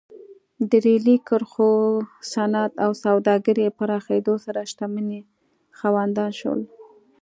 د ریلي کرښو، صنعت او سوداګرۍ پراخېدو سره شتمنۍ خاوندان شول.